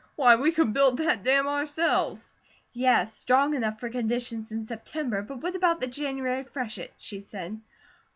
Why, we could build that dam ourselves!" "Yes, strong enough for conditions in September, but what about the January freshet?" she said.